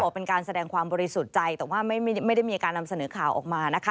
เป็นการแสดงความบริสุทธิ์ใจแต่ว่าไม่ได้มีการนำเสนอข่าวออกมานะคะ